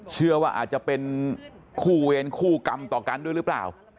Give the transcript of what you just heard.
เชื่อว่าอาจจะเป็นคู่เวรคู่กรรมต่อกันด้วยหรือเปล่า